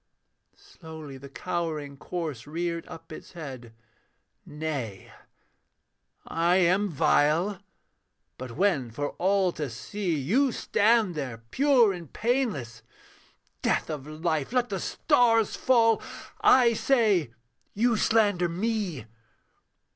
Slowly the cowering corse reared up its head, 'Nay, I am vile ... but when for all to see, You stand there, pure and painless death of life! Let the stars fall I say you slander me!